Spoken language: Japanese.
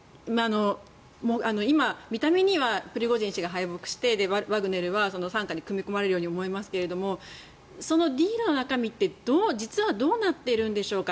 今、見た目にはプリゴジン氏が敗北してワグネルは傘下に組み込まれるように思いますがそのディールの中身って一体どうなっているのでしょうか。